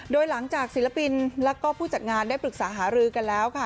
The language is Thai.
โดยหลังจากศิลปินแล้วก็ผู้จัดงานได้ปรึกษาหารือกันแล้วค่ะ